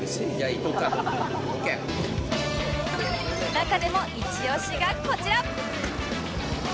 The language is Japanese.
中でもイチオシがこちら！